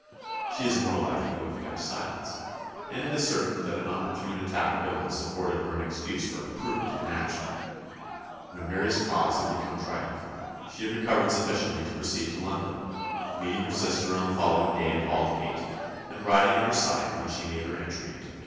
She is more likely to have kept silence; and it is certain that an opportune attack of illness afforded her an excuse for prudent inaction. When Mary's cause had become triumphant she had recovered sufficiently to proceed to London, meeting her sister on the following day at Aldgate, and riding at her side when she made her entry into the capital.